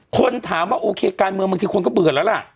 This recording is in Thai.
คนถามว่าโอเคการเมืองบางทีคนก็เบื่อแล้วล่ะ